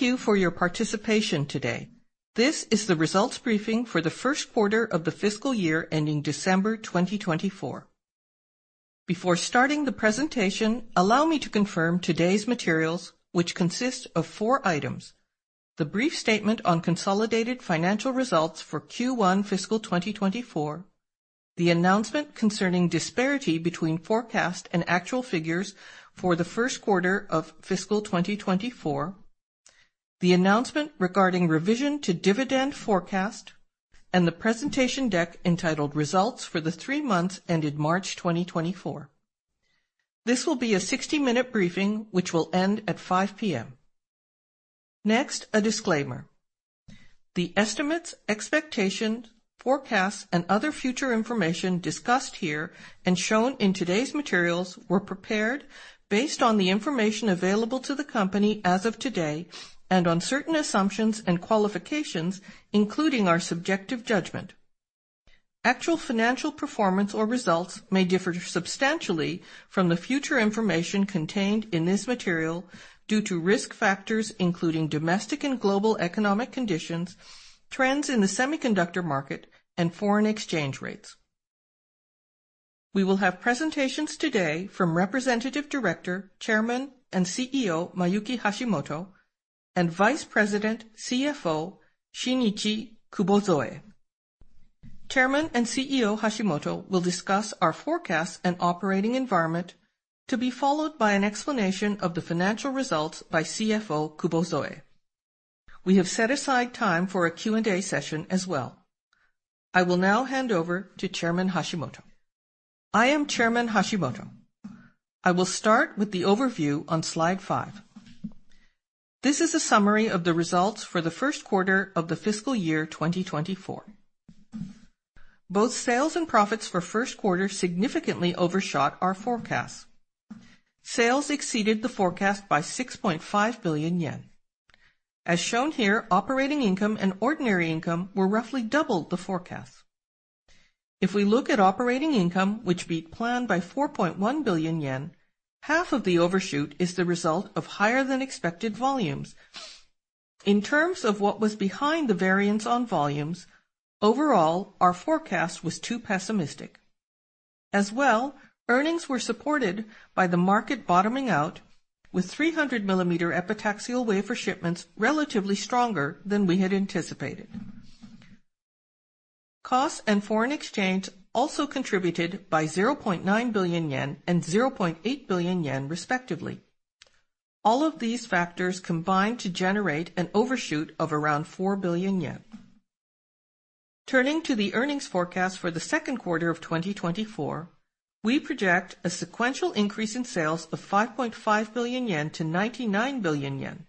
Thank you for your participation today. This is the results briefing for the first quarter of the fiscal year ending December 2024. Before starting the presentation, allow me to confirm today's materials, which consist of four items: the brief statement on consolidated financial results for Q1 fiscal 2024, the announcement concerning disparity between forecast and actual figures for the first quarter of fiscal 2024, the announcement regarding revision to dividend forecast, and the presentation deck entitled Results for the Three Months Ended March 2024. This will be a 60-minute briefing which will end at 5:00 P.M. Next, a disclaimer. The estimates, expectations, forecasts, and other future information discussed here and shown in today's materials were prepared based on the information available to the company as of today and on certain assumptions and qualifications, including our subjective judgment. Actual financial performance or results may differ substantially from the future information contained in this material due to risk factors including domestic and global economic conditions, trends in the semiconductor market, and foreign exchange rates. We will have presentations today from Representative Director, Chairman, and CEO Mayuki Hashimoto, and Vice President, CFO Shinichi Kubozoe. Chairman and CEO Hashimoto will discuss our forecast and operating environment, to be followed by an explanation of the financial results by CFO Kubozoe. We have set aside time for a Q&A session as well. I will now hand over to Chairman Hashimoto. I am Chairman Hashimoto. I will start with the overview on slide five. This is a summary of the results for the first quarter of the fiscal year 2024. Both sales and profits for first quarter significantly overshot our forecasts. Sales exceeded the forecast by 6.5 billion yen. As shown here, operating income and ordinary income were roughly double the forecasts. If we look at operating income, which beat plan by 4.1 billion yen, half of the overshoot is the result of higher-than-expected volumes. In terms of what was behind the variance on volumes, overall our forecast was too pessimistic. As well, earnings were supported by the market bottoming out, with 300 mm epitaxial wafer shipments relatively stronger than we had anticipated. Costs and foreign exchange also contributed by 0.9 billion yen and 0.8 billion yen, respectively. All of these factors combined to generate an overshoot of around 4 billion yen. Turning to the earnings forecast for the second quarter of 2024, we project a sequential increase in sales of 5.5 billion-99 billion yen.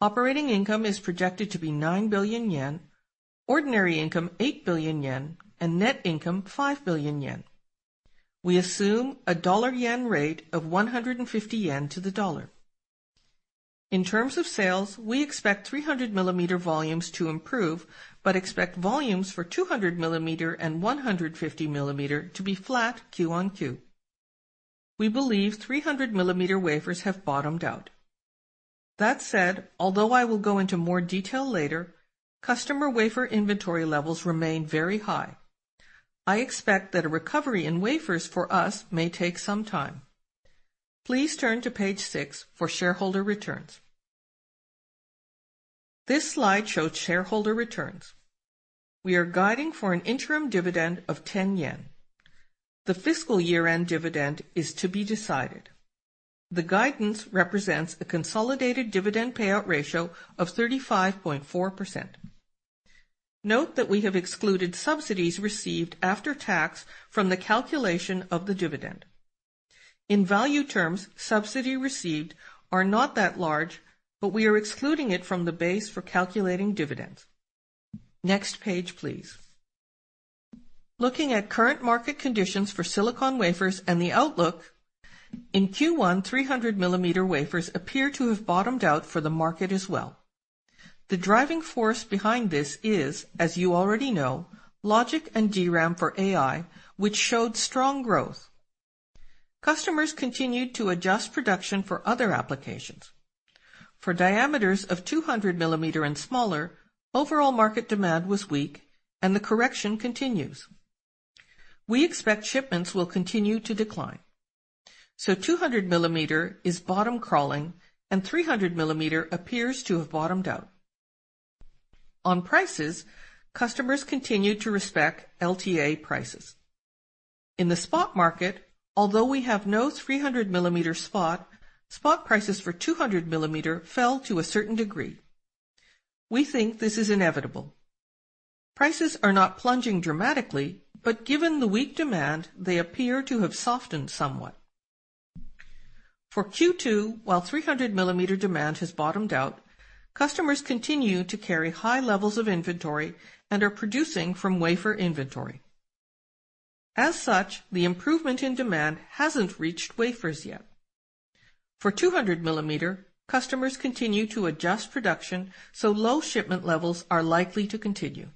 Operating income is projected to be 9 billion yen, ordinary income 8 billion yen, and net income 5 billion yen. We assume a dollar-yen rate of 150 yen to the dollar. In terms of sales, we expect 300 mm volumes to improve but expect volumes for 200 mm and 150 mm to be flat Q-on-Q. We believe 300 mm wafers have bottomed out. That said, although I will go into more detail later, customer wafer inventory levels remain very high. I expect that a recovery in wafers for us may take some time. Please turn to page six for shareholder returns. This slide shows shareholder returns. We are guiding for an interim dividend of 10 yen. The fiscal year-end dividend is to be decided. The guidance represents a consolidated dividend payout ratio of 35.4%. Note that we have excluded subsidies received after tax from the calculation of the dividend. In value terms, subsidy received are not that large, but we are excluding it from the base for calculating dividends. Next page, please. Looking at current market conditions for silicon wafers and the outlook, in Q1, 300 mm wafers appear to have bottomed out for the market as well. The driving force behind this is, as you already know, logic and DRAM for AI, which showed strong growth. Customers continued to adjust production for other applications. For diameters of 200 mm and smaller, overall market demand was weak, and the correction continues. We expect shipments will continue to decline. So 200 mm is bottom-crawling, and 300 mm appears to have bottomed out. On prices, customers continue to respect LTA prices. In the spot market, although we have no 300 mm spot, spot prices for 200 mm fell to a certain degree. We think this is inevitable. Prices are not plunging dramatically, but given the weak demand, they appear to have softened somewhat. For Q2, while 300 mm demand has bottomed out, customers continue to carry high levels of inventory and are producing from wafer inventory. As such, the improvement in demand hasn't reached wafers yet. For 200 mm, customers continue to adjust production so low shipment levels are likely to continue.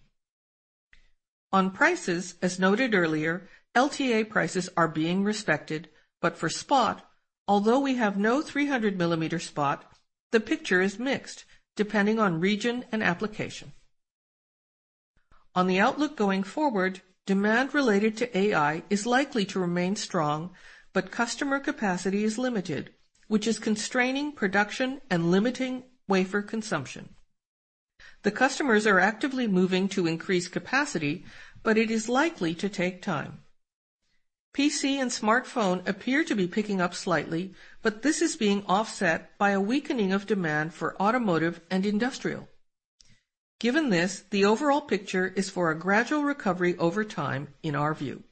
On prices, as noted earlier, LTA prices are being respected, but for spot, although we have no 300 mm spot, the picture is mixed depending on region and application. On the outlook going forward, demand related to AI is likely to remain strong, but customer capacity is limited, which is constraining production and limiting wafer consumption. The customers are actively moving to increase capacity, but it is likely to take time. PC and smartphone appear to be picking up slightly, but this is being offset by a weakening of demand for automotive and industrial. Given this, the overall picture is for a gradual recovery over time, in our view.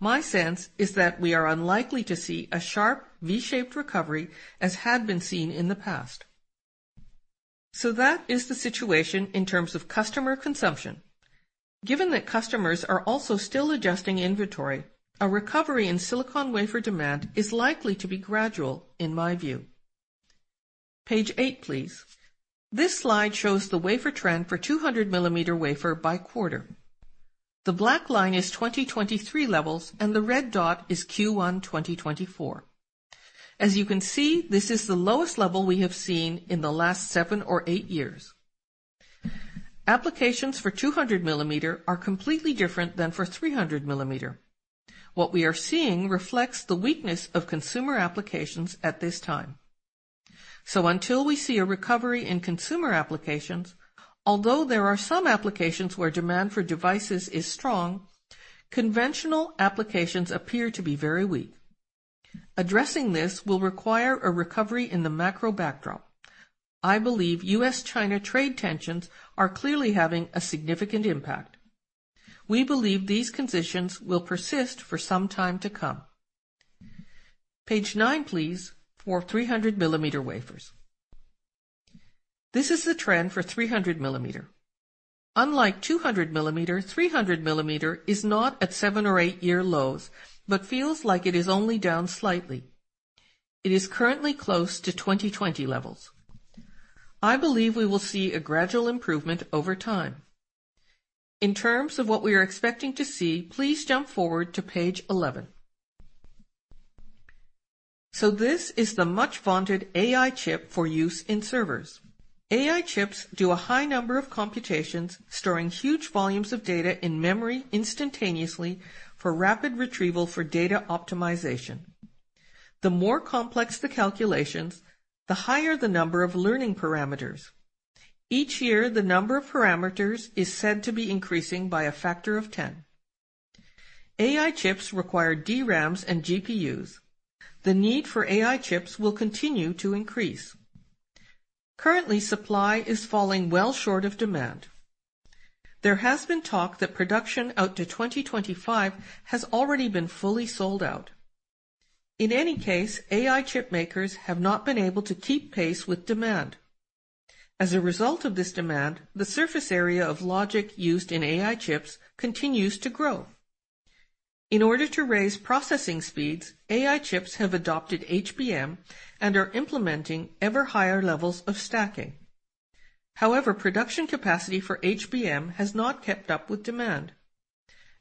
My sense is that we are unlikely to see a sharp V-shaped recovery as had been seen in the past. So that is the situation in terms of customer consumption. Given that customers are also still adjusting inventory, a recovery in silicon wafer demand is likely to be gradual, in my view. Page eight, please. This slide shows the wafer trend for 200 mm wafer by quarter. The black line is 2023 levels, and the red dot is Q1 2024. As you can see, this is the lowest level we have seen in the last 7 or 8 years. Applications for 200 mm are completely different than for 300 mm. What we are seeing reflects the weakness of consumer applications at this time. So until we see a recovery in consumer applications, although there are some applications where demand for devices is strong, conventional applications appear to be very weak. Addressing this will require a recovery in the macro backdrop. I believe US-China trade tensions are clearly having a significant impact. We believe these conditions will persist for some time to come. Page nine, please, for 300 mm wafers. This is the trend for 300 mm. Unlike 200 mm, 300 mm is not at seven- or eight-year lows but feels like it is only down slightly. It is currently close to 2020 levels. I believe we will see a gradual improvement over time. In terms of what we are expecting to see, please jump forward to page 11. So this is the much-vaunted AI chip for use in servers. AI chips do a high number of computations, storing huge volumes of data in memory instantaneously for rapid retrieval for data optimization. The more complex the calculations, the higher the number of learning parameters. Each year, the number of parameters is said to be increasing by a factor of 10. AI chips require DRAMs and GPUs. The need for AI chips will continue to increase. Currently, supply is falling well short of demand. There has been talk that production out to 2025 has already been fully sold out. In any case, AI chip makers have not been able to keep pace with demand. As a result of this demand, the surface area of logic used in AI chips continues to grow. In order to raise processing speeds, AI chips have adopted HBM and are implementing ever higher levels of stacking. However, production capacity for HBM has not kept up with demand.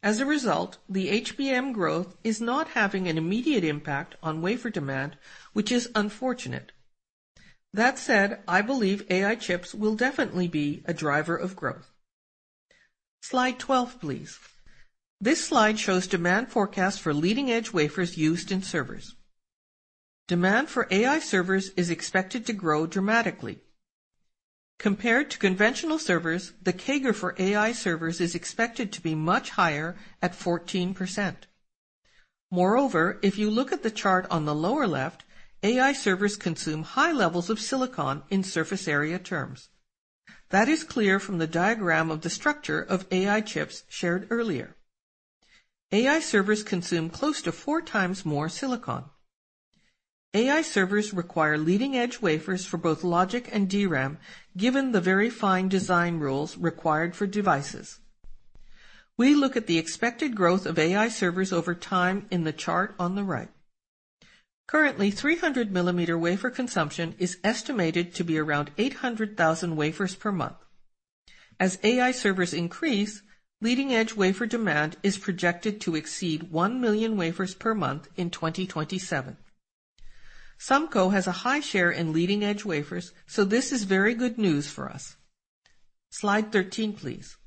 As a result, the HBM growth is not having an immediate impact on wafer demand, which is unfortunate. That said, I believe AI chips will definitely be a driver of growth. Slide 12, please. This slide shows demand forecasts for leading-edge wafers used in servers. Demand for AI servers is expected to grow dramatically. Compared to conventional servers, the CAGR for AI servers is expected to be much higher at 14%. Moreover, if you look at the chart on the lower left, AI servers consume high levels of silicon in surface area terms. That is clear from the diagram of the structure of AI chips shared earlier. AI servers consume close to four times more silicon. AI servers require leading-edge wafers for both logic and DRAM, given the very fine design rules required for devices. We look at the expected growth of AI servers over time in the chart on the right. Currently, 300 mm wafer consumption is estimated to be around 800,000 wafers per month. As AI servers increase, leading-edge wafer demand is projected to exceed 1,000,000 wafers per month in 2027. SUMCO has a high share in leading-edge wafers, so this is very good news for us. Slide 13, please.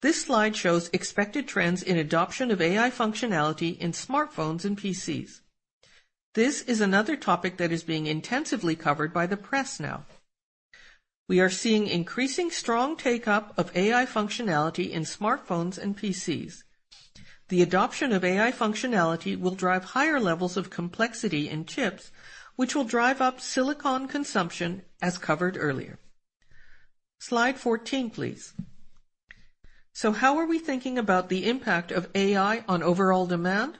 This slide shows expected trends in adoption of AI functionality in smartphones and PCs. This is another topic that is being intensively covered by the press now. We are seeing increasing strong take-up of AI functionality in smartphones and PCs. The adoption of AI functionality will drive higher levels of complexity in chips, which will drive up silicon consumption, as covered earlier. Slide 14, please. So how are we thinking about the impact of AI on overall demand?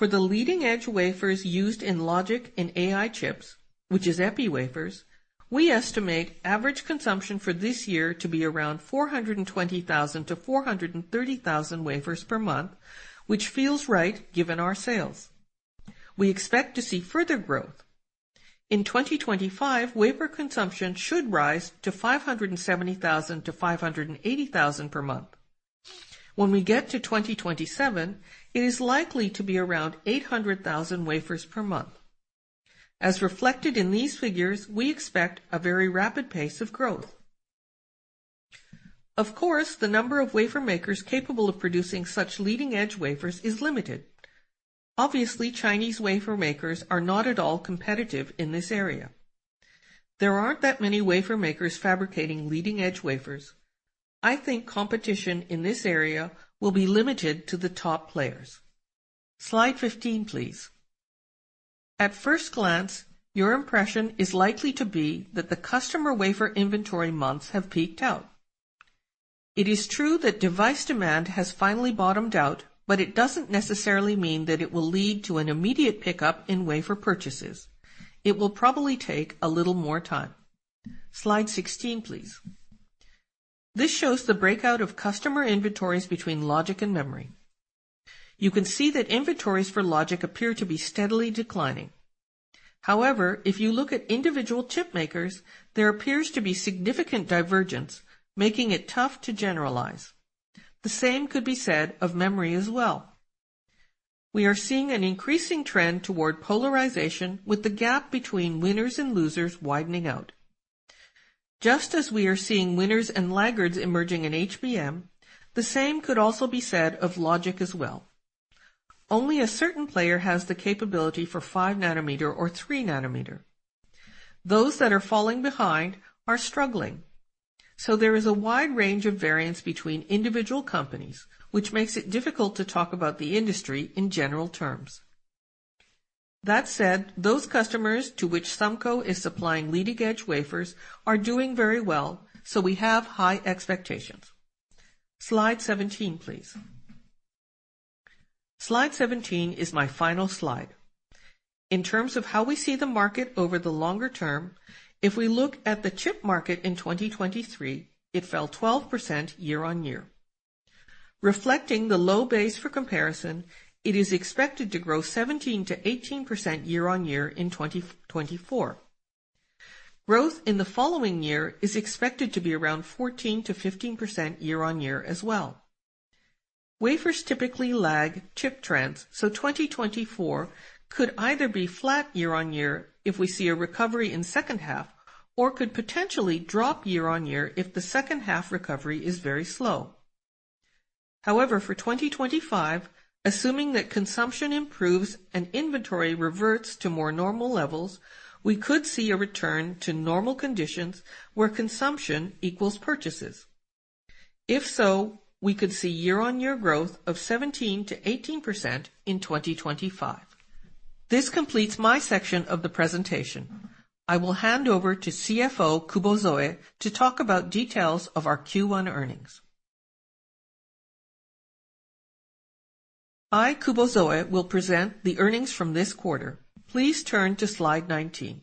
For the leading-edge wafers used in logic in AI chips, which is epi wafers, we estimate average consumption for this year to be around 420,000-430,000 wafers per month, which feels right given our sales. We expect to see further growth. In 2025, wafer consumption should rise to 570,000-580,000 per month. When we get to 2027, it is likely to be around 800,000 wafers per month. As reflected in these figures, we expect a very rapid pace of growth. Of course, the number of wafer makers capable of producing such leading-edge wafers is limited. Obviously, Chinese wafer makers are not at all competitive in this area. There aren't that many wafer makers fabricating leading-edge wafers. I think competition in this area will be limited to the top players. Slide 15, please. At first glance, your impression is likely to be that the customer wafer inventory months have peaked out. It is true that device demand has finally bottomed out, but it doesn't necessarily mean that it will lead to an i mmediate pick-up in wafer purchases. It will probably take a little more time. Slide 16, please. This shows the breakout of customer inventories between logic and memory. You can see that inventories for logic appear to be steadily declining. However, if you look at individual chip makers, there appears to be significant divergence, making it tough to generalize. The same could be said of memory as well. We are seeing an increasing trend toward polarization, with the gap between winners and losers widening out. Just as we are seeing winners and laggards emerging in HBM, the same could also be said of logic as well. Only a certain player has the capability for 5 nm or 3 nm. Those that are falling behind are struggling. So there is a wide range of variance between individual companies, which makes it difficult to talk about the industry in general terms. That said, those customers to which SUMCO is supplying leading-edge wafers are doing very well, so we have high expectations. Slide 17, please. Slide 17 is my final slide. In terms of how we see the market over the longer term, if we look at the chip market in 2023, it fell 12% year-on-year. Reflecting the low base for comparison, it is expected to grow 17%-18% year-on-year in 2024. Growth in the following year is expected to be around 14%-15% year-on-year as well. Wafers typically lag chip trends, so 2024 could either be flat year-on-year if we see a recovery in second half or could potentially drop year-on-year if the second half recovery is very slow. However, for 2025, assuming that consumption improves and inventory reverts to more normal levels, we could see a return to normal conditions where consumption equals purchases. If so, we could see year-on-year growth of 17%-18% in 2025. This completes my section of the presentation. I will hand over to CFO Kubozoe to talk about details of our Q1 earnings. I, Kubozoe, will present the earnings from this quarter. Please turn to slide 19.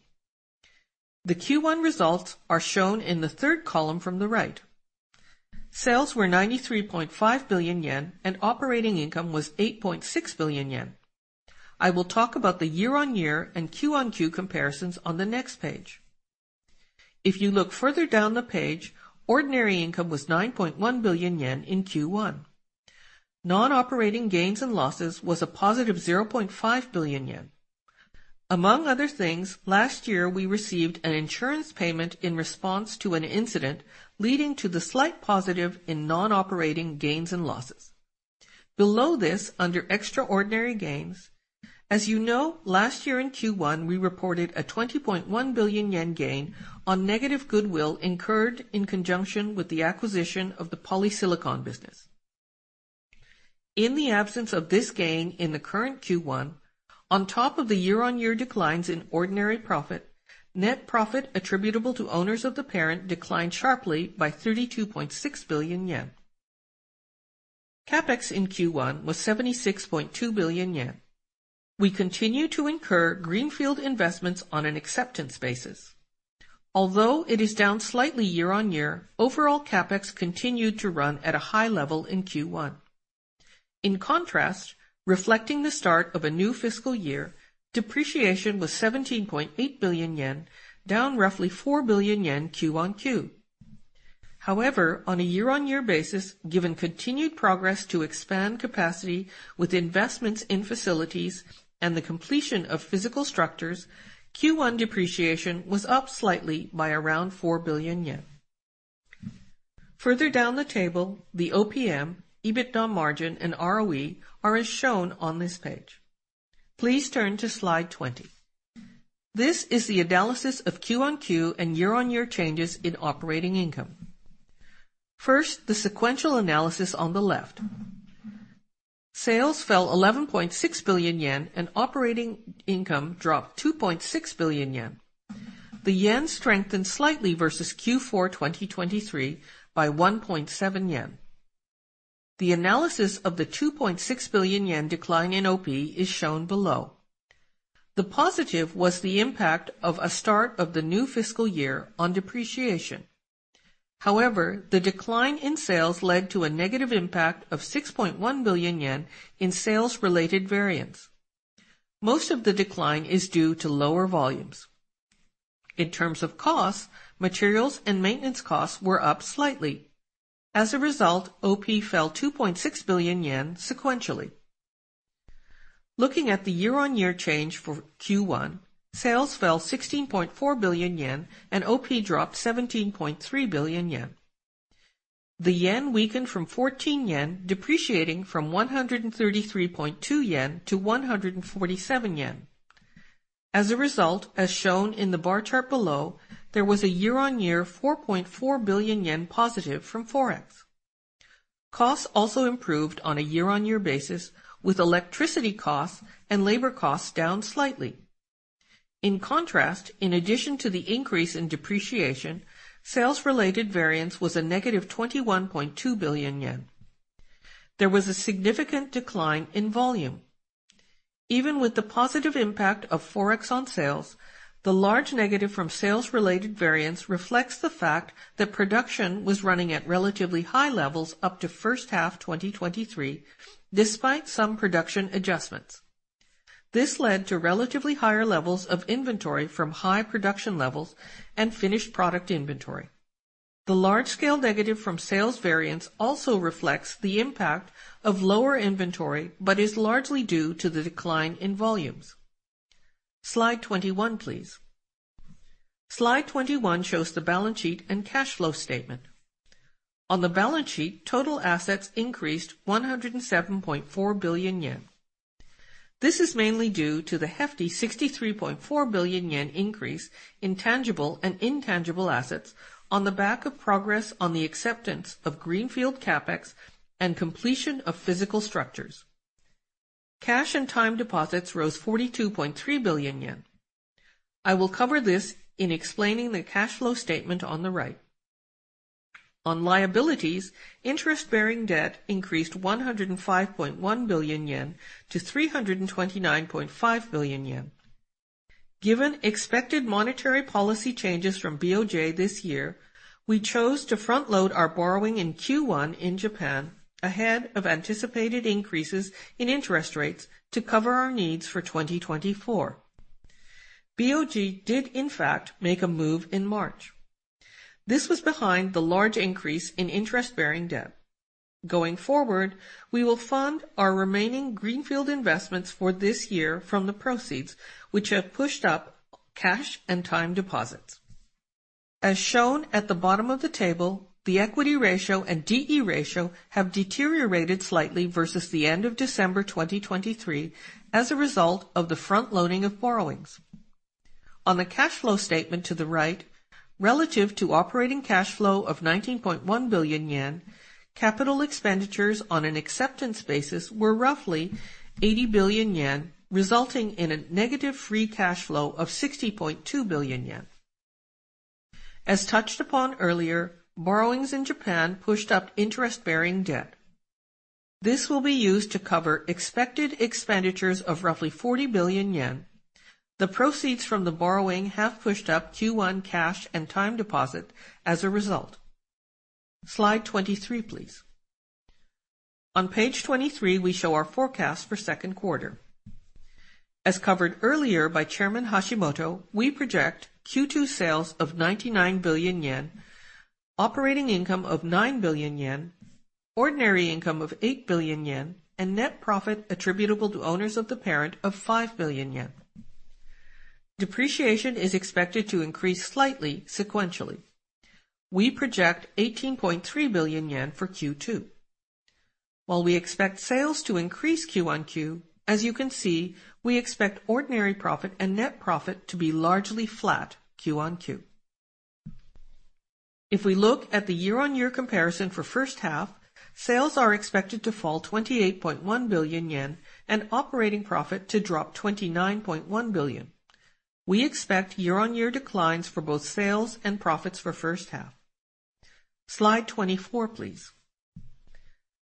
The Q1 results are shown in the third column from the right. Sales were 93.5 billion yen, and operating income was 8.6 billion yen. I will talk about the year-on-year and quarter-on-quarter comparisons on the next page. If you look further down the page, ordinary income was 9.1 billion yen in Q1. Non-operating gains and losses were a positive 0.5 billion yen. Among other things, last year we received an insurance payment in response to an incident leading to the slight positive in non-operating gains and losses. Below this, under extraordinary gains, as you know, last year in Q1 we reported a 20.1 billion yen gain on negative goodwill incurred in conjunction with the acquisition of the polysilicon business. In the absence of this gain in the current Q1, on top of the year-on-year declines in ordinary profit, net profit attributable to owners of the parent declined sharply by 32.6 billion yen. CapEx in Q1 was 76.2 billion yen. We continue to incur greenfield investments on an acceptance basis. Although it is down slightly year-on-year, overall CapEx continued to run at a high level in Q1. In contrast, reflecting the start of a new fiscal year, depreciation was 17.8 billion yen, down roughly 4 billion yen Q-on-Q. However, on a year-on-year basis, given continued progress to expand capacity with investments in facilities and the completion of physical structures, Q1 depreciation was up slightly by around 4 billion yen. Further down the table, the OPM, EBITDA margin, and ROE are as shown on this page. Please turn to slide 20. This is the analysis of Q-on-Q and year-on-year changes in operating income. First, the sequential analysis on the left. Sales fell 11.6 billion yen, and operating income dropped 2.6 billion yen. The yen strengthened slightly versus Q4 2023 by 1.7 yen. The analysis of the 2.6 billion yen decline in OP is shown below. The positive was the impact of a start of the new fiscal year on depreciation. However, the decline in sales led to a negative impact of 6.1 billion yen in sales-related variance. Most of the decline is due to lower volumes. In terms of costs, materials and maintenance costs were up slightly. As a result, OP fell 2.6 billion yen sequentially. Looking at the year-on-year change for Q1, sales fell 16.4 billion yen, and OP dropped 17.3 billion yen. The yen weakened from 14 yen, depreciating from 133.2-147 yen. As a result, as shown in the bar chart below, there was a year-on-year 4.4 billion yen positive from forex. Costs also improved on a year-on-year basis, with electricity costs and labor costs down slightly. In contrast, in addition to the increase in depreciation, sales-related variance was a negative 21.2 billion yen. There was a significant decline in volume. Even with the positive impact of forex on sales, the large negative from sales-related variance reflects the fact that production was running at relatively high levels up to first half 2023, despite some production adjustments. This led to relatively higher levels of inventory from high production levels and finished product inventory. The large-scale negative from sales variance also reflects the impact of lower inventory but is largely due to the decline in volumes. Slide 21, please. Slide 21 shows the balance sheet and cash flow statement. On the balance sheet, total assets increased 107.4 billion yen. This is mainly due to the hefty 63.4 billion yen increase in tangible and intangible assets on the back of progress on the acceptance of greenfield CapEx and completion of physical structures. Cash and time deposits rose 42.3 billion yen. I will cover this in explaining the cash flow statement on the right. On liabilities, interest-bearing debt increased 105.1 billion-329.5 billion yen. Given expected monetary policy changes from BOJ this year, we chose to front-load our borrowing in Q1 in Japan ahead of anticipated increases in interest rates to cover our needs for 2024. BOJ did, in fact, make a move in March. This was behind the large increase in interest-bearing debt. Going forward, we will fund our remaining greenfield investments for this year from the proceeds, which have pushed up cash and time deposits. As shown at the bottom of the table, the equity ratio and DE ratio have deteriorated slightly versus the end of December 2023 as a result of the front-loading of borrowings. On the cash flow statement to the right, relative to operating cash flow of 19.1 billion yen, capital expenditures on an acceptance basis were roughly 80 billion yen, resulting in a negative free cash flow of 60.2 billion yen. As touched upon earlier, borrowings in Japan pushed up interest-bearing debt. This will be used to cover expected expenditures of roughly 40 billion yen. The proceeds from the borrowing have pushed up Q1 cash and time deposit as a result. Slide 23, please. On page 23, we show our forecast for second quarter. As covered earlier by Chairman Hashimoto, we project Q2 sales of 99 billion yen, operating income of 9 billion yen, ordinary income of 8 billion yen, and net profit attributable to owners of the parent of 5 billion yen. Depreciation is expected to increase slightly sequentially. We project 18.3 billion yen for Q2. While we expect sales to increase Q on Q, as you can see, we expect ordinary profit and net profit to be largely flat Q on Q. If we look at the year-on-year comparison for first half, sales are expected to fall 28.1 billion yen and operating profit to drop 29.1 billion. We expect year-on-year declines for both sales and profits for first half. Slide 24, please.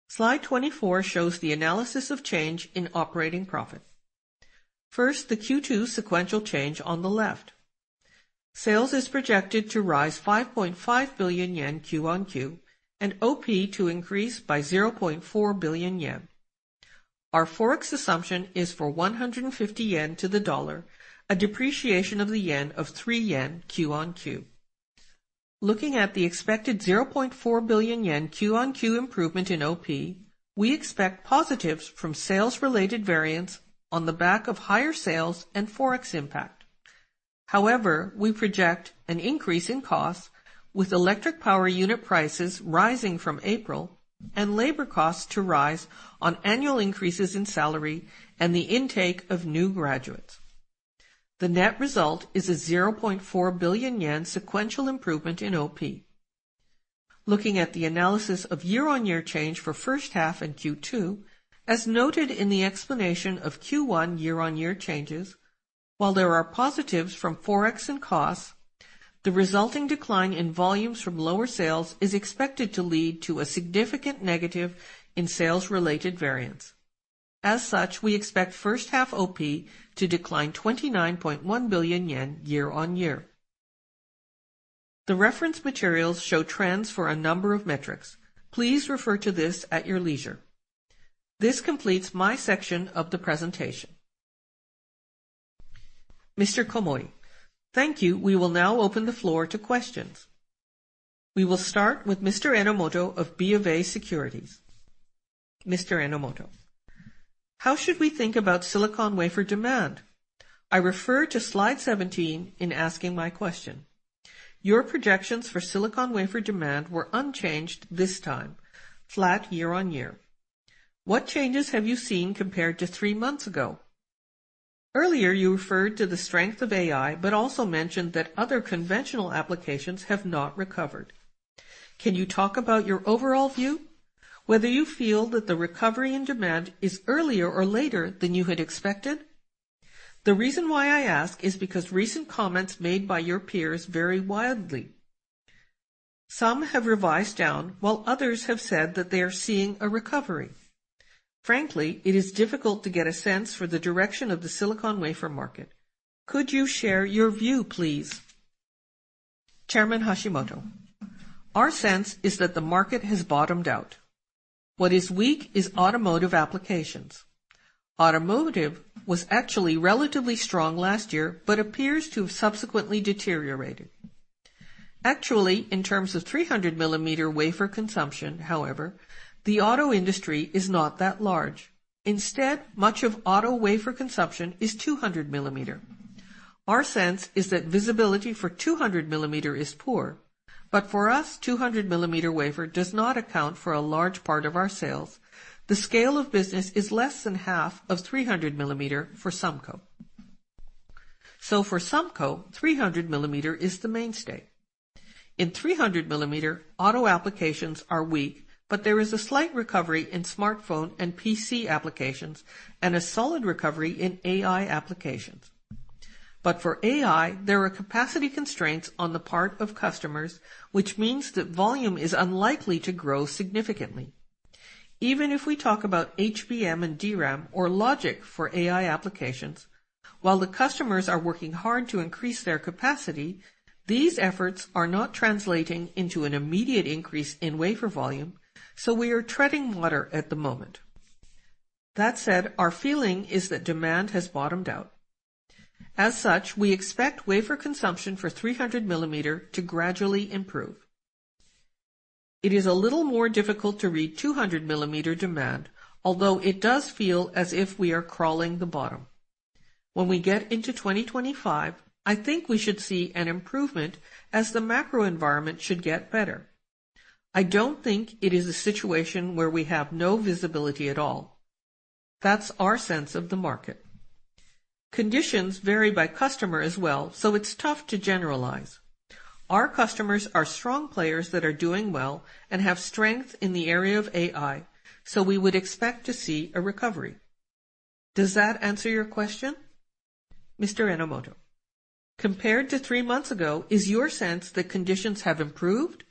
Slide 24 shows the analysis of change in operating profit. First, the Q2 sequential change on the left. Sales is projected to rise 5.5 billion yen Q on Q and OP to increase by 0.4 billion yen. Our forex assumption is for 150 yen to the dollar, a depreciation of the yen of 3 yen Q on Q. Looking at the expected 0.4 billion yen Q-on-Q improvement in OP, we expect positives from sales-related variance on the back of higher sales and forex impact. However, we project an increase in costs, with electric power unit prices rising from April and labor costs to rise on annual increases in salary and the intake of new graduates. The net result is a 0.4 billion yen sequential improvement in OP. Looking at the analysis of year-on-year change for first half and Q2, as noted in the explanation of Q1 year-on-year changes, while there are positives from forex and costs, the resulting decline in volumes from lower sales is expected to lead to a significant negative in sales-related variance. As such, we expect first half OP to decline 29.1 billion yen year-on-year. The reference materials show trends for a number of metrics. Please refer to this at your leisure. This completes my section of the presentation. Mr. Komori, thank you. We will now open the floor to questions. We will start with Mr. Enomoto of BofA Securities. Mr. Enomoto. How should we think about silicon wafer demand? I refer to slide 17 in asking my question. Your projections for silicon wafer demand were unchanged this time, flat year-on-year. What changes have you seen compared to three months ago? Earlier, you referred to the strength of AI but also mentioned that other conventional applications have not recovered. Can you talk about your overall view, whether you feel that the recovery in demand is earlier or later than you had expected? The reason why I ask is because recent co mments made by your peers vary wildly. Some have revised down, while others have said that they are seeing a recovery. Frankly, it is difficult to get a sense for the direction of the silicon wafer market. Could you share your view, please? Our sense is that the market has bottomed out. What is weak is automotive applications. Automotive was actually relatively strong last year but appears to have subsequently deteriorated. Actually, in terms of 300 mm wafer consumption, however, the auto industry is not that large. Instead, much of auto wafer consumption is 200 mm. Our sense is that visibility for 200 mm is poor, but for us, 200 mm wafer does not account for a large part of our sales. The scale of business is less than half of 300 mm for SUMCO. So, for SUMCO, 300 mm is the mainstay. In 300 mm, auto applications are weak, but there is a slight recovery in smartphone and PC applications and a solid recovery in AI applications. But for AI, there are capacity constraints on the part of customers, which means that volume is unlikely to grow significantly. Even if we talk about HBM and DRAM or logic for AI applications, while the customers are working hard to increase their capacity, these efforts are not translating into an i mmediate increase in wafer volume, so we are treading water at the moment. That said, our feeling is that demand has bottomed out. As such, we expect wafer consumption for 300 mm to gradually improve. It is a little more difficult to read 200 mm demand, although it does feel as if we are crawling the bottom. When we get into 2025, I think we should see an improvement as the macro environment should get better. I don't think it is a situation where we have no visibility at all. That's our sense of the market. Conditions vary by customer as well, so it's tough to generalize. Our customers are strong players that are doing well and have strength in the area of AI, so we would expect to see a recovery. Does that answer your question? Mr. Enomoto, compared to three months ago, is your sense that conditions have improved?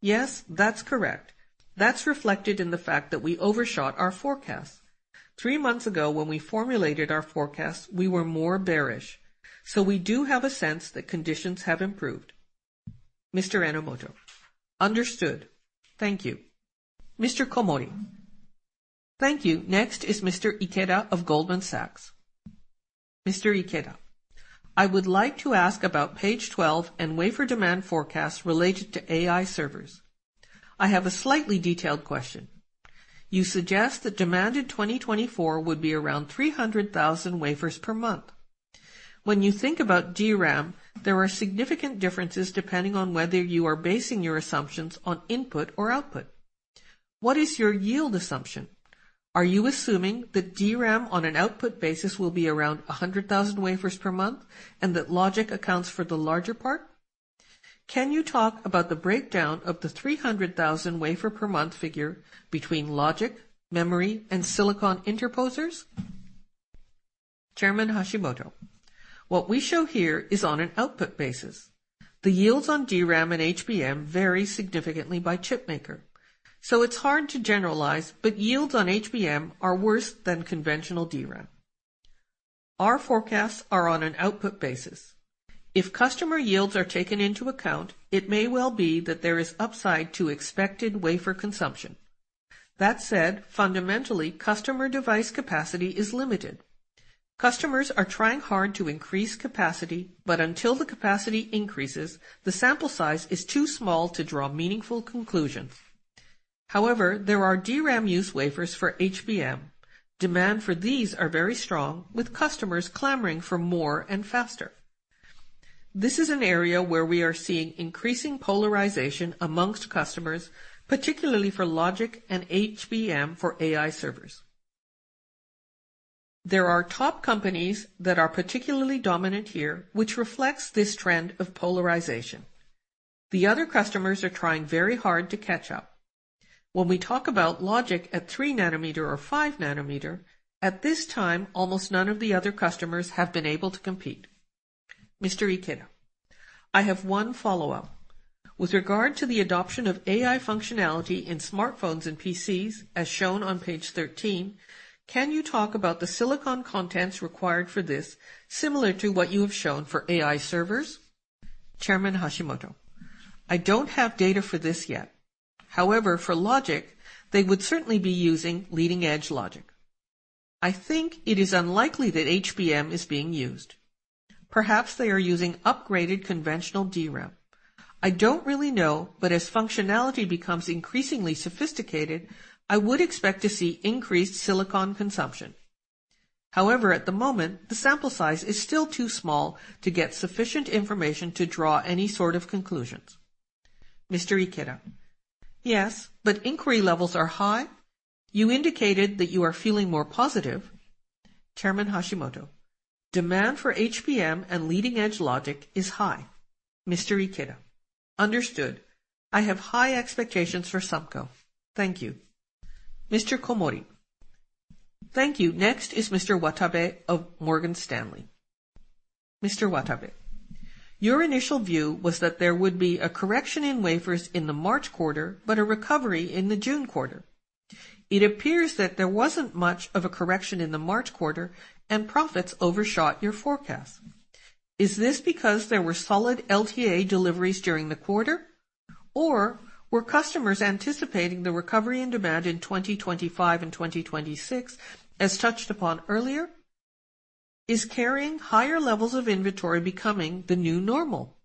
Yes, that's correct. That's reflected in the fact that we overshot our forecast. Three months ago, when we formulated our forecast, we were more bearish, so we do have a sense that conditions have improved. Understood. Thank you. Thank you. Next is Mr. Ikeda of Goldman Sachs. Mr. Ikeda. I would like to ask about page 12 and wafer demand forecasts related to AI servers. I have a slightly detailed question. You suggest that demand in 2024 would be around 300,000 wafers per month. When you think about DRAM, there are significant differences depending on whether you are basing your assumptions on input or output. What is your yield assumption? Are you assuming that DRAM on an output basis will be around 100,000 wafers per month and that logic accounts for the larger part? Can you talk about the breakdown of the 300,000 wafer per month figure between logic, memory, and silicon interposers? What we show here is on an output basis. The yields on DRAM and HBM vary significantly by chip maker, so it's hard to generalize, but yields on HBM are worse than conventional DRAM. Our forecasts are on an output basis. If customer yields are taken into account, it may well be that there is upside to expected wafer consumption. That said, fundamentally, customer device capacity is limited. Customers are trying hard to increase capacity, but until the capacity increases, the sample size is too small to draw meaningful conclusions. However, there are DRAM use wafers for HBM. Demand for these is very strong, with customers clamoring for more and faster. This is an area where we are seeing increasing polarization among customers, particularly for logic and HBM for AI servers. There are top companies that are particularly dominant here, which reflects this trend of polarization. The other customers are trying very hard to catch up. When we talk about logic at 3 nm or 5 nm, at this time, almost none of the other customers have been able to compete. Mr. Ikeda, I have one follow-up. With regard to the adoption of AI functionality in smartphones and PCs, as shown on page 13, can you talk about the silicon contents required for this similar to what you have shown for AI servers? I don't have data for this yet. However, for logic, they would certainly be using leading-edge logic. I think it is unlikely that HBM is being used. Perhaps they are using upgraded conventional DRAM. I don't really know, but as functionality becomes increasingly sophisticated, I would expect to see increased silicon consumption. However, at the moment, the sample size is still too small to get sufficient information to draw any sort of conclusions. Yes, but inquiry levels are high. You indicated that you are feeling more positive? Demand for HBM and leading-edge logic is high. Understood. I have high expectations for SUMCO. Thank you. Thank you. Next is Mr. Watabe of Morgan Stanley. Mr. Watabe. Your initial view was that there would be a correction in wafers in the March quarter but a recovery in the June quarter. It appears that there wasn't much of a correction in the March quarter, and profits overshot your forecast. Is this because there were solid LTA deliveries during the quarter, or were customers anticipating the recovery in demand in 2025 and 2026, as touched upon earlier? Is carrying higher levels of inventory becoming the new normal?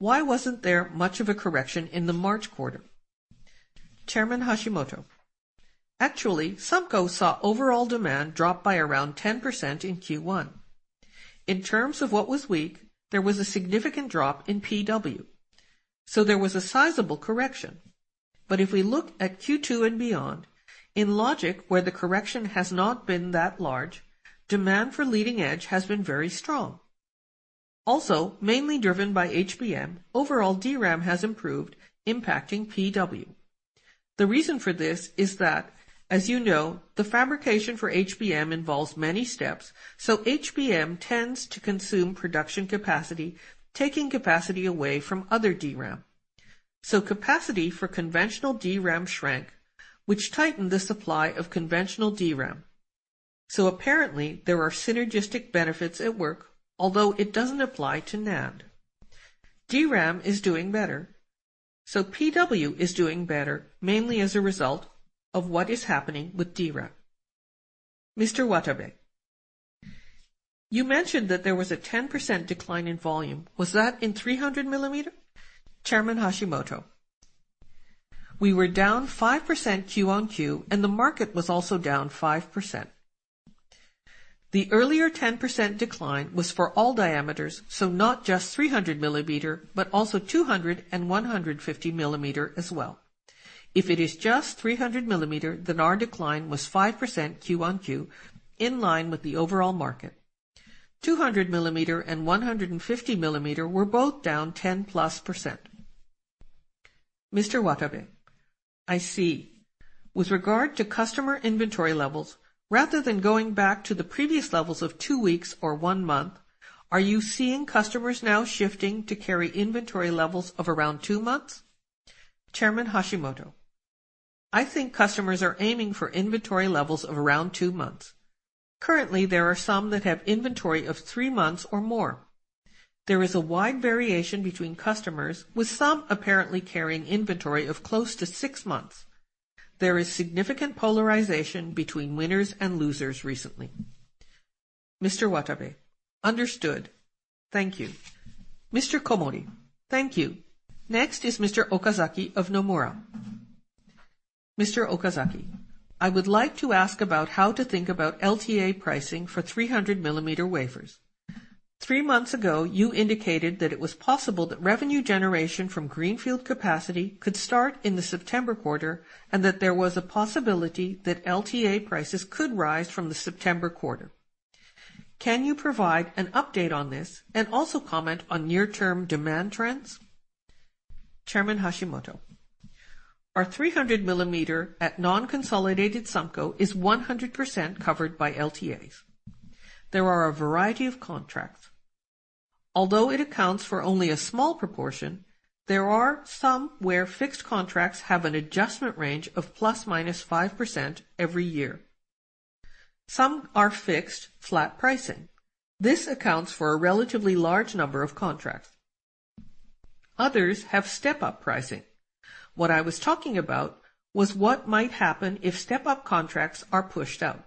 Why wasn't there much of a correction in the March quarter? Actually, SUMCO saw overall demand drop by around 10% in Q1. In terms of what was weak, there was a significant drop in PW, so there was a sizable correction. But if we look at Q2 and beyond, in logic, where the correction has not been that large, demand for leading-edge has been very strong. Also, mainly driven by HBM, overall DRAM has improved, impacting PW. The reason for this is that, as you know, the fabrication for HBM involves many steps, so HBM tends to consume production capacity, taking capacity away from other DRAM. So, capacity for conventional DRAM shrank, which tightened the supply of conventional DRAM. So, apparently, there are synergistic benefits at work, although it doesn't apply to NAND. DRAM is doing better, so PW is doing better, mainly as a result of what is happening with DRAM. You mentioned that there was a 10% decline in volume, was that in 300 mm? We were down 5% Q on Q, and the market was also down 5%. The earlier 10% decline was for all diameters, so not just 300 mm but also 200 mm and 150 mm as well. If it is just 300 mm, then our decline was 5% Q on Q in line with the overall market. 200 mm and 150 mm were both down 10+%. I see. With regard to customer inventory levels, rather than going back to the previous levels of two weeks or one month, are you seeing customers now shifting to carry inventory levels of around two months? I think customers are aiming for inventory levels of around two months. Currently, there are some that have inventory of three months or more. There is a wide variation between customers, with some apparently carrying inventory of close to six months. There is significant polarization between winners and losers recently. Understood. Thank you. Thank you. Next is Mr. Okazaki of Nomura. Mr. Okazaki. I would like to ask about how to think about LTA pricing for 300 mm wafers. Three months ago, you indicated that it was possible that revenue generation from greenfield capacity could start in the September quarter and that there was a possibility that LTA prices could rise from the September quarter. Can you provide an update on this and also co mment on near-term demand trends? Our 300 mm at non-consolidated SUMCO is 100% covered by LTAs. There are a variety of contracts. Although it accounts for only a small proportion, there are some where fixed contracts have an adjustment range of ±5% every year. Some are fixed, flat pricing. This accounts for a relatively large number of contracts. Others have step-up pricing. What I was talking about was what might happen if step-up contracts are pushed out.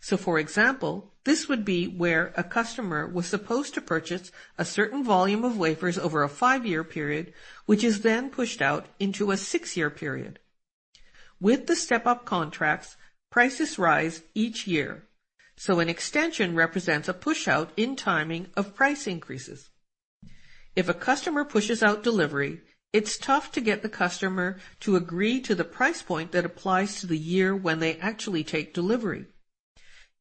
For example, this would be where a customer was supposed to purchase a certain volume of wafers over a five-year period, which is then pushed out into a six-year period. With the step-up contracts, prices rise each year, so an extension represents a push-out in timing of price increases. If a customer pushes out delivery, it's tough to get the customer to agree to the price point that applies to the year when they actually take delivery.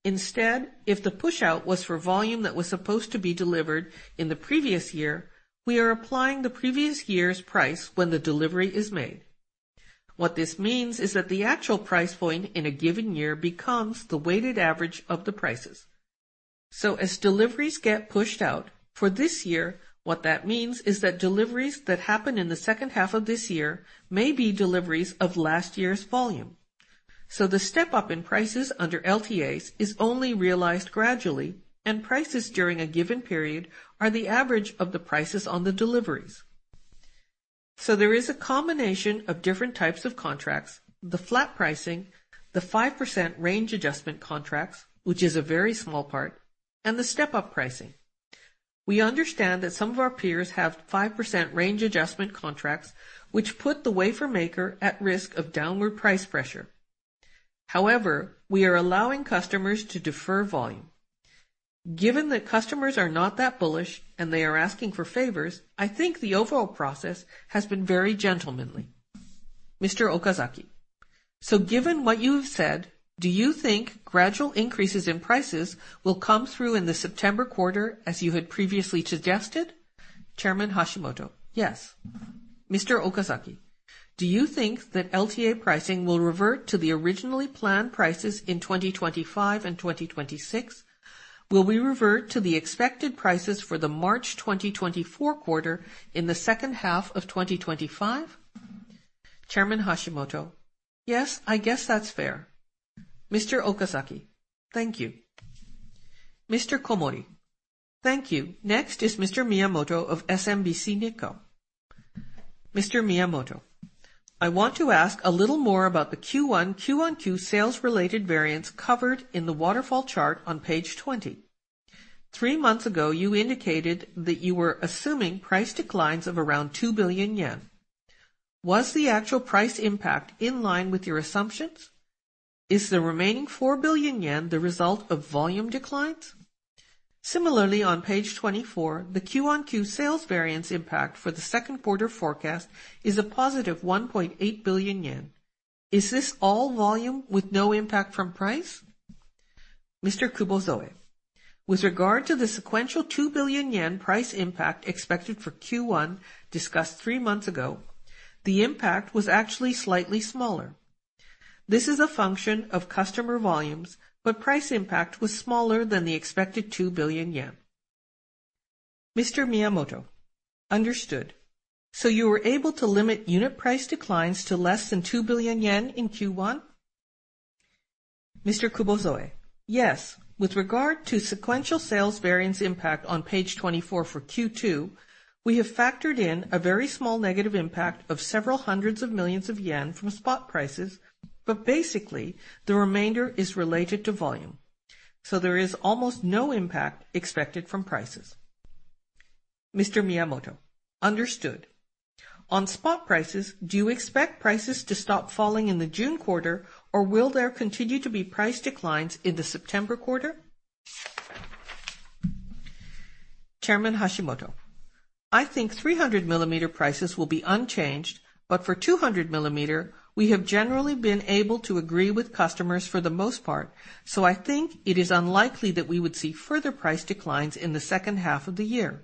Instead, if the push-out was for volume that was supposed to be delivered in the previous year, we are applying the previous year's price when the delivery is made. What this means is that the actual price point in a given year becomes the weighted average of the prices. So, as deliveries get pushed out, for this year, what that means is that deliveries that happen in the second half of this year may be deliveries of last year's volume. So, the step-up in prices under LTAs is only realized gradually, and prices during a given period are the average of the prices on the deliveries. So, there is a combination of different types of contracts: the flat pricing, the 5% range adjustment contracts, which is a very small part, and the step-up pricing. We understand that some of our peers have 5% range adjustment contracts, which put the wafer maker at risk of downward price pressure. However, we are allowing customers to defer volume. Given that customers are not that bullish and they are asking for favors, I think the overall process has been very gentlemanly. So given what you have said, do you think gradual increases in prices will come through in the September quarter as you had previously suggested? Yes. Do you think that LTA pricing will revert to the originally planned prices in 2025 and 2026? Will we revert to the expected prices for the March 2024 quarter in the second half of 2025? Yes, I guess that's fair. Thank you. Thank you. Next is Mr. Miyamoto of SMBC Nikko. Mr. Miyamoto. I want to ask a little more about the Q1 Q-on-Q sales-related variance covered in the waterfall chart on page 20. Three months ago, you indicated that you were assuming price declines of around 2 billion yen. Was the actual price impact in line with your assumptions? Is the remaining 4 billion yen the result of volume declines? Similarly, on page 24, the Q on Q sales variance impact for the second quarter forecast is a positive 1.8 billion yen. Is this all volume with no impact from price? With regard to the sequential 2 billion yen price impact expected for Q1 discussed three months ago, the impact was actually slightly smaller. This is a function of customer volumes, but price impact was smaller than the expected 2 billion yen. Understood. So, you were able to limit unit price declines to less than 2 billion yen in Q1? Yes. With regard to sequential sales variance impact on page 24 for Q2, we have factored in a very small negative impact of several hundreds of millions of JPY from spot prices, but basically, the remainder is related to volume. So, there is almost no impact expected from prices. Understood. On spot prices, do you expect prices to stop falling in the June quarter, or will there continue to be price declines in the September quarter? I think 300 mm prices will be unchanged, but for 200 mm, we have generally been able to agree with customers for the most part, so I think it is unlikely that we would see further price declines in the second half of the year.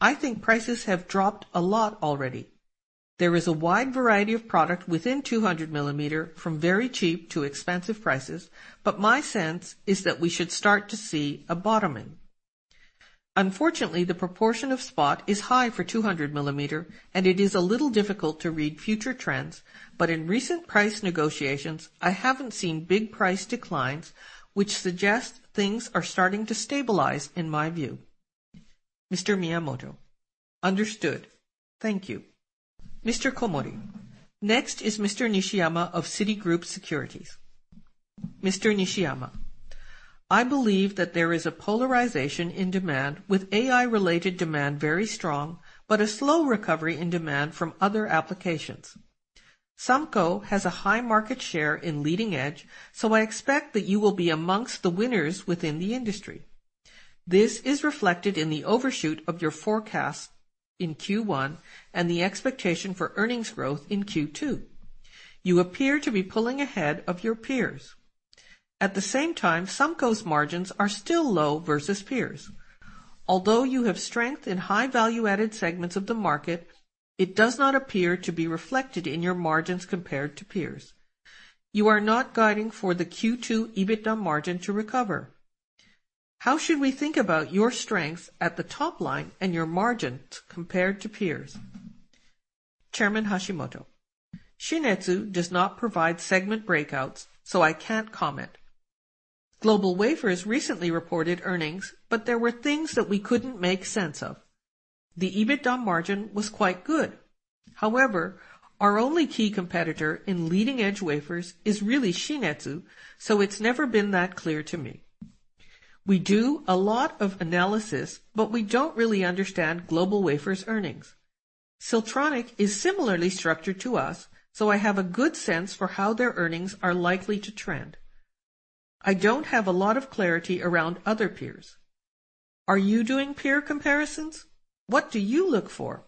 I think prices have dropped a lot already. There is a wide variety of product within 200 mm, from very cheap to expensive prices, but my sense is that we should start to see a bottom in. Unfortunately, the proportion of spot is high for 200 mm, and it is a little difficult to read future trends, but in recent price negotiations, I haven't seen big price declines, which suggests things are starting to stabilize in my view. Understood. Thank you. Next is Mr. Nishiyama of Citigroup Securities. Mr. Nishiyama. I believe that there is a polarization in demand, with AI-related demand very strong but a slow recovery in demand from other applications. SUMCO has a high market share in leading edge, so I expect that you will be among the winners within the industry. This is reflected in the overshoot of your forecast in Q1 and the expectation for earnings growth in Q2. You appear to be pulling ahead of your peers. At the same time, SUMCO's margins are still low versus peers. Although you have strength in high value-added segments of the market, it does not appear to be reflected in your margins compared to peers. You are not guiding for the Q2 EBITDA margin to recover. How should we think about your strengths at the top line and your margins compared to peers? Shin-Etsu does not provide segment breakouts, so I can't co mment. GlobalWafers recently reported earnings, but there were things that we couldn't make sense of. The EBITDA margin was quite good. However, our only key competitor in leading edge wafers is really Shin-Etsu, so it's never been that clear to me. We do a lot of analysis, but we don't really understand GlobalWafers' earnings. Siltronic is similarly structured to us, so I have a good sense for how their earnings are likely to trend. I don't have a lot of clarity around other peers. Are you doing peer comparisons? What do you look for?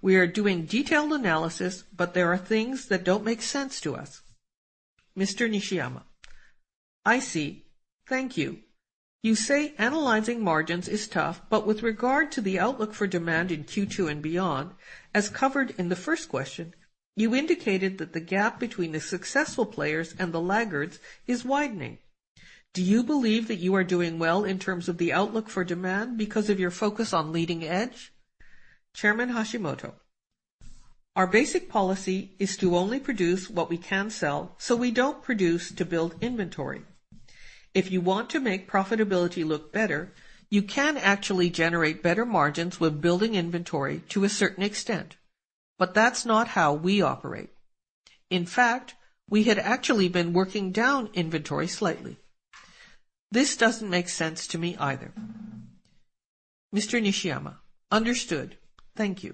We are doing detailed analysis, but there are things that don't make sense to us. I see. Thank you. You say analyzing margins is tough, but with regard to the outlook for demand in Q2 and beyond, as covered in the first question, you indicated that the gap between the successful players and the laggards is widening. Do you believe that you are doing well in terms of the outlook for demand because of your focus on leading edge? Our basic policy is to only produce what we can sell, so we don't produce to build inventory. If you want to make profitability look better, you can actually generate better margins with building inventory to a certain extent, but that's not how we operate. In fact, we had actually been working down inventory slightly. This doesn't make sense to me either. Understood. Thank you.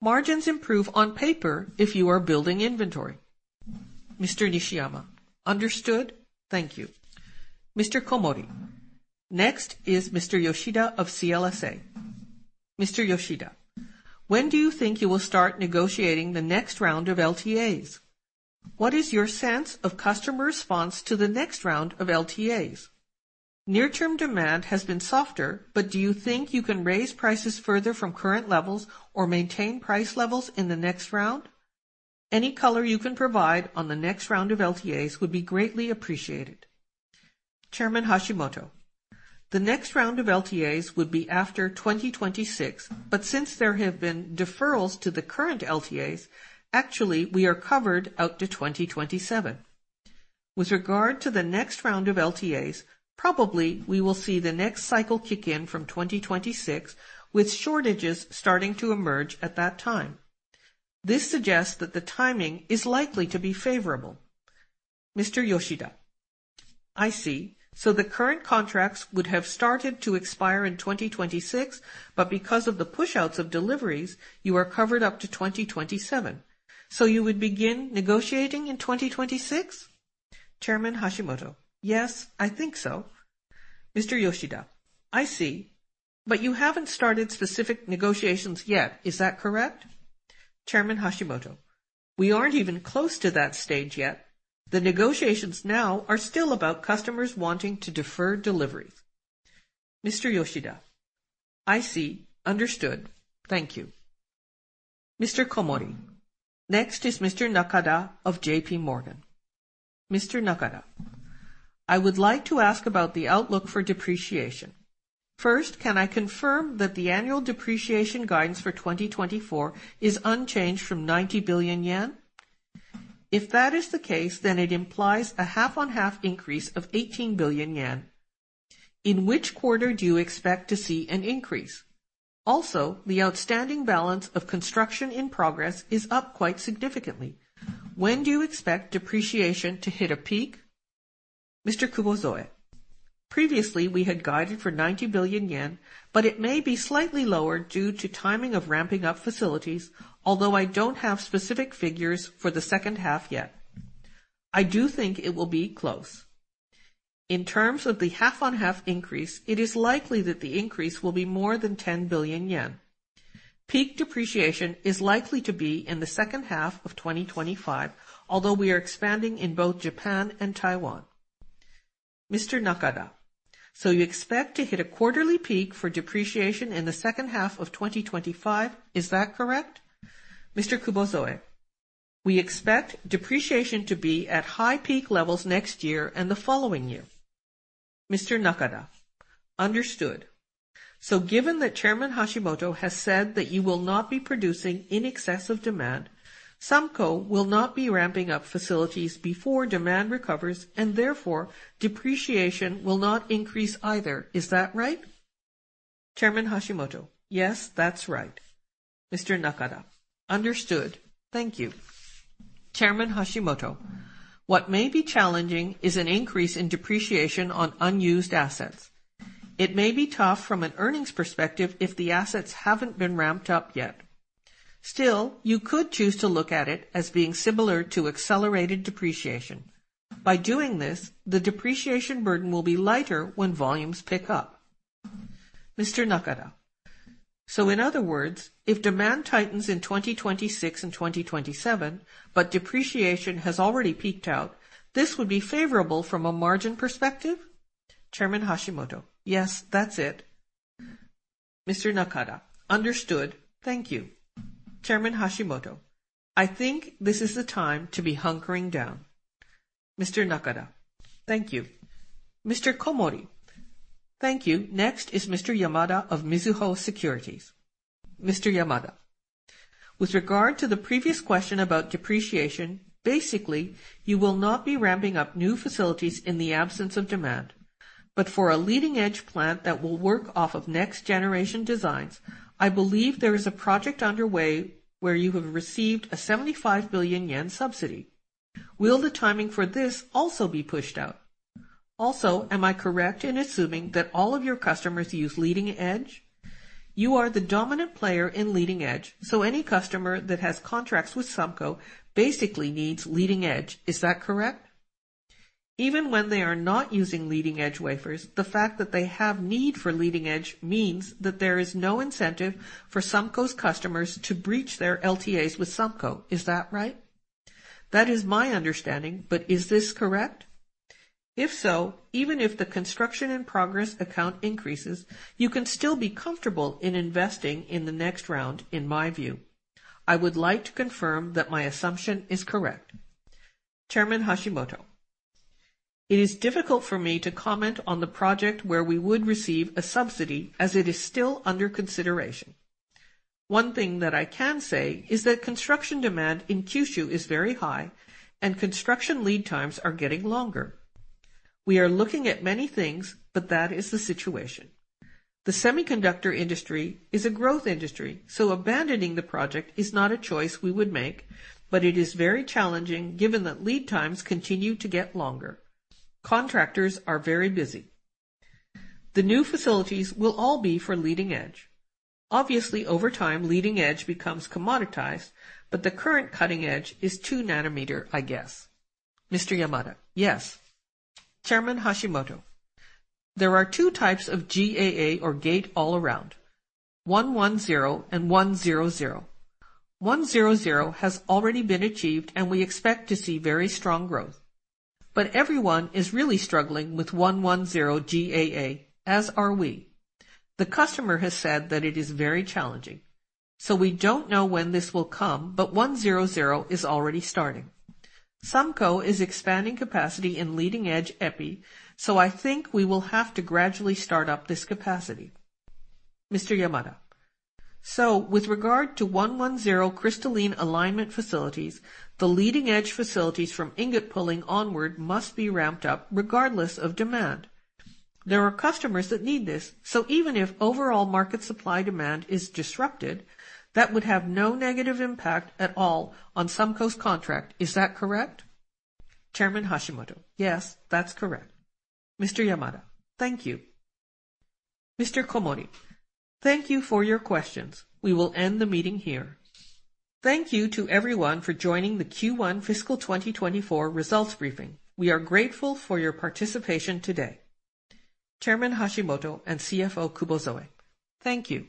Margins improve on paper if you are building inventory. Understood. Thank you. Next is Mr. Yoshida of CLSA. Mr. Yoshida. When do you think you will start negotiating the next round of LTAs? What is your sense of customer response to the next round of LTAs? Near-term demand has been softer, but do you think you can raise prices further from current levels or maintain price levels in the next round? Any color you can provide on the next round of LTAs would be greatly appreciated. The next round of LTAs would be after 2026, but since there have been deferrals to the current LTAs, actually, we are covered out to 2027. With regard to the next round of LTAs, probably we will see the next cycle kick in from 2026, with shortages starting to emerge at that time. This suggests that the timing is likely to be favorable. I see. So, the current contracts would have started to expire in 2026, but because of the push-outs of deliveries, you are covered up to 2027, so you would begin negotiating in 2026? Yes, I think so. I see, but you haven't started specific negotiations yet. Is that correct? We aren't even close to that stage yet. The negotiations now are still about customers wanting to defer deliveries. I see. Understood. Thank you. Next is Mr. Nakada of JPMorgan. Mr. Nakada. I would like to ask about the outlook for depreciation. First, can I confirm that the annual depreciation guidance for 2024 is unchanged from 90 billion yen? If that is the case, then it implies a half-on-half increase of 18 billion yen. In which quarter do you expect to see an increase? Also, the outstanding balance of construction in progress is up quite significantly. When do you expect depreciation to hit a peak? Previously, we had guided for 90 billion yen, but it may be slightly lowered due to timing of ramping up facilities, although I don't have specific figures for the second half yet. I do think it will be close. In terms of the half-on-half increase, it is likely that the increase will be more than 10 billion yen. Peak depreciation is likely to be in the second half of 2025, although we are expanding in both Japan and Taiwan. So you expect to hit a quarterly peak for depreciation in the second half of 2025. Is that correct? We expect depreciation to be at high peak levels next year and the following year. Understood. So, given that Chairman Hashimoto has said that you will not be producing in excess of demand, SUMCO will not be ramping up facilities before demand recovers, and therefore, depreciation will not increase either. Is that right? Yes, that's right. Understood. Thank you. What may be challenging is an increase in depreciation on unused assets. It may be tough from an earnings perspective if the assets haven't been ramped up yet. Still, you could choose to look at it as being similar to accelerated depreciation. By doing this, the depreciation burden will be lighter when volumes pick up. So in other words, if demand tightens in 2026 and 2027 but depreciation has already peaked out, this would be favorable from a margin perspective? Yes, that's it. Understood. Thank you. I think this is the time to be hunkering down. Thank you. Thank you. Next is Mr. Yamada of Mizuho Securities. Mr. Yamada. With regard to the previous question about depreciation, basically, you will not be ramping up new facilities in the absence of demand, but for a leading edge plant that will work off of next generation designs, I believe there is a project underway where you have received a 75 billion yen subsidy. Will the timing for this also be pushed out? Also, am I correct in assuming that all of your customers use leading edge? You are the dominant player in leading edge, so any customer that has contracts with SUMCO basically needs leading edge. Is that correct? Even when they are not using leading edge wafers, the fact that they have need for leading edge means that there is no incentive for SUMCO's customers to breach their LTAs with SUMCO. Is that right? That is my understanding, but is this correct? If so, even if the construction in progress account increases, you can still be comfortable in investing in the next round, in my view. I would like to confirm that my assumption is correct. It is difficult for me to co mment on the project where we would receive a subsidy as it is still under consideration. One thing that I can say is that construction demand in Kyushu is very high, and construction lead times are getting longer. We are looking at many things, but that is the situation. The semiconductor industry is a growth industry, so abandoning the project is not a choice we would make, but it is very challenging given that lead times continue to get longer. Contractors are very busy. The new facilities will all be for leading edge. Obviously, over time, leading edge becomes co mmoditized, but the current cutting edge is 2 nm, I guess. Yes. There are two types of GAA or gate-all-around: 110 and 100. 100 has already been achieved, and we expect to see very strong growth. But everyone is really struggling with 110 GAA, as are we. The customer has said that it is very challenging, so we don't know when this will come, but 100 is already starting. SUMCO is expanding capacity in leading-edge EPI, so I think we will have to gradually start up this capacity. So with regard to (110) crystalline alignment facilities, the leading-edge facilities from ingot pulling onward must be ramped up regardless of demand. There are customers that need this, so even if overall market supply demand is disrupted, that would have no negative impact at all on SUMCO's contract. Is that correct? Yes, that's correct. Thank you. Thank you for your questions. We will end the meeting here. Thank you to everyone for joining the Q1 fiscal 2024 results briefing. We are grateful for your participation today. Thank you. Thank you.